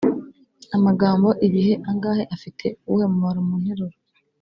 . Amagambo: ibihe, angahe, afite uwuhe mumaro mu nteruro?